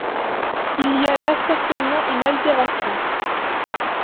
Il y a là certainement une altération.